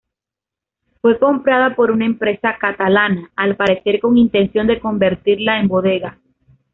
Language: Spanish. Fue comprada por una empresa catalana, al parecer con intención de convertirla en bodega.